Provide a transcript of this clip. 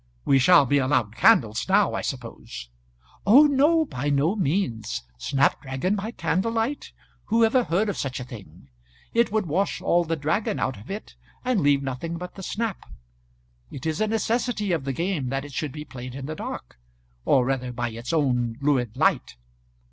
We shall be allowed candles now, I suppose." "Oh, no, by no means. Snap dragon by candlelight! who ever heard of such a thing? It would wash all the dragon out of it, and leave nothing but the snap. It is a necessity of the game that it should be played in the dark, or rather by its own lurid light."